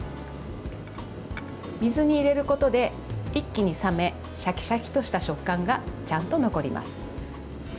水に入れることで一気に冷めシャキシャキとした食感がちゃんと残ります。